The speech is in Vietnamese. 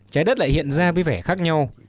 trái đất lại hiện ra với vẻ khác nhau